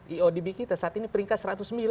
iodb kita saat ini peringkat satu ratus sembilan